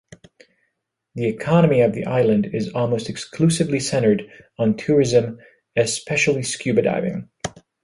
The economy of the island is almost exclusively centred on tourism, especially scuba diving.